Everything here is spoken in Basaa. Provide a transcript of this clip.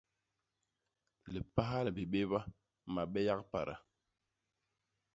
Lipahal bibéba; mabe yak pada.